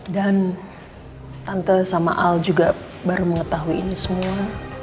dan tante sama al juga baru mengetahui ini semua